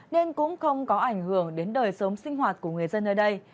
nên cũng không có ảnh hưởng đến đời sống sinh hoạt của người dân nơi đây